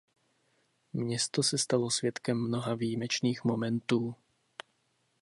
Město se stalo svědkem mnoha výjimečných momentů.